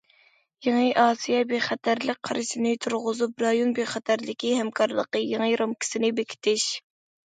يېڭى ئاسىيا بىخەتەرلىك قارىشىنى تۇرغۇزۇپ، رايون بىخەتەرلىكى ھەمكارلىقى يېڭى رامكىسىنى بېكىتىش.